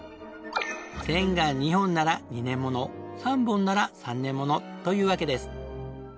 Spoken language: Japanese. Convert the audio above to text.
線が２本なら２年もの３本なら３年ものというわけです。